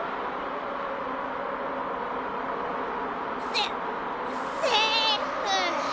セセーフ。